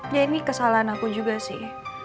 ya ini kesalahan aku juga sih